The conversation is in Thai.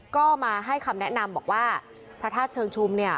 ก็มาให้คำแนะนำบอกว่าพระธาตุเชิงชุมเนี่ย